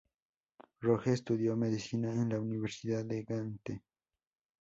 Rogge estudió medicina en la Universidad de Gante.